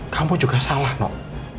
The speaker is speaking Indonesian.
kamu juga salah noh